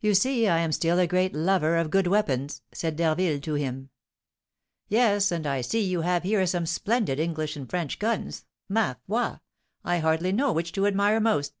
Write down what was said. "You see, I am still a great lover of good weapons," said D'Harville to him. "Yes, and I see you have here some splendid English and French guns. Ma foi! I hardly know which to admire most.